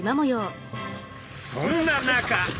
そんな中。